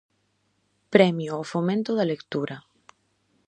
Premio ao fomento da lectura.